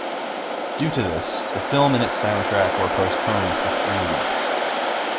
Due to this, the film and its soundtrack were postponed for three weeks.